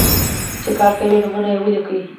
چې کار کوي، نومونه ولیکئ.